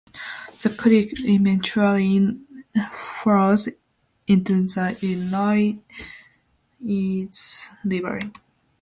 The creek eventually flows into the Illinois River.